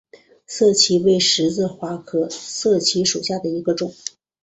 涩荠为十字花科涩荠属下的一个种。